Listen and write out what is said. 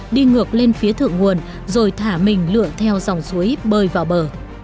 đi ngược lên phía thượng nguồn rồi thả mình lựa theo dòng suối bơi vào bờ